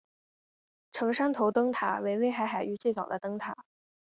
成山头灯塔为威海海域最早的灯塔。